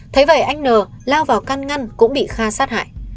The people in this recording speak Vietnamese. thấy vậy anh n lao vào căn ngăn cũng bị kha sát hại